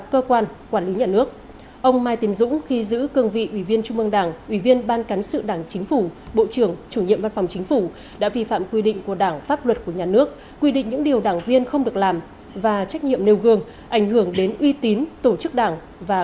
về trách nhiệm của những cá nhân có liên quan bộ chính trị ban bí thư xác định ông trịnh đình dũng khi giữ cường vị ủy viên trung mương đảng ủy viên ban cảnh sự đảng chính phủ phó thủ tướng chính phủ nhiệm kỳ hai nghìn một mươi sáu hai nghìn hai mươi một đã vi phạm quy định của đảng pháp luật của nhà nước quy định những điều đảng viên không được làm và trách nhiệm nêu gương ảnh hưởng đến uy tín của tổ chức đảng và cơ quan quản lý nhà nước